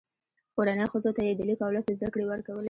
کورنۍ ښځو ته یې د لیک او لوست زده کړې ورکولې.